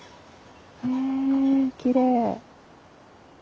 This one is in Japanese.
へえきれい。